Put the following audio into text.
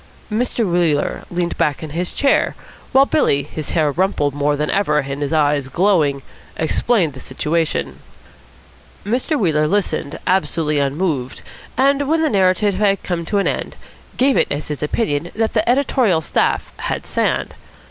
Mr. Wheeler leaned back in his chair, while Billy, his hair rumpled more than ever and his eyes glowing, explained the situation. Mr. Wheeler listened absolutely unmoved, and, when the narrative had come to an end, gave it as his opinion that the editorial staff had sand.